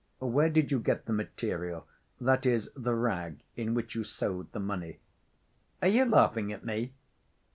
"Where did you get the material, that is, the rag in which you sewed the money?" "Are you laughing at me?"